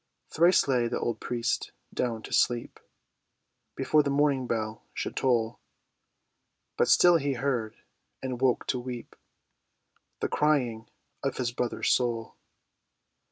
Thrice lay the old priest down to sleep Before the morning bell should toll; But still he heard—and woke to weep— The crying of his brother's soul.